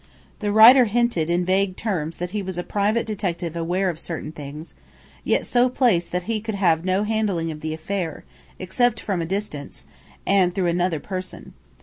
The writer hinted in vague terms that he was a private detective aware of certain things, yet so placed that he could have no handling of the affair, except from a distance, and through another person.